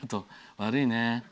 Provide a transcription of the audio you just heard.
悪いね。